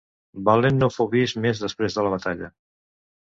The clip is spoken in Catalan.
Valent no fou vist més després de la batalla.